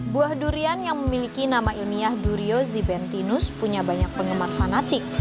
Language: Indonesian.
buah durian yang memiliki nama ilmiah durio zibentinus punya banyak penggemar fanatik